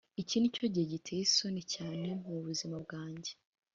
iki nicyo gihe giteye isoni cyane mubuzima bwanjye.